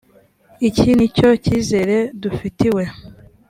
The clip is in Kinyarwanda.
iki ni cyo cyizere dufitiwe?